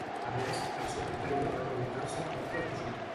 A més, el sud d'Itàlia va revoltar-se contra Roger.